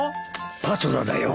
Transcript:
パトラだよ。